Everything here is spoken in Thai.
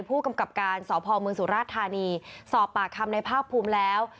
ผู้กำกับการสพมสุราชธานีสอบปากคำในภาคภูมิแล้ว